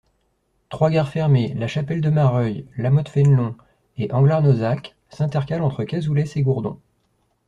Trois gares fermées, La Chapelle-de-Mareuil, Lamothe-Fénelon et Anglars-Nozac, s'intercalent entre Cazoulès et Gourdon.